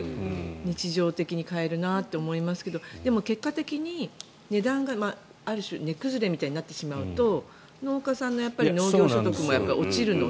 日常的に買えるなって思いますけどでも、結果的に値段がある種値崩れみたいになってしまうと農家さんの農業所得も落ちるので。